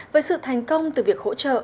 với sự thành công từ việc hỗ trợ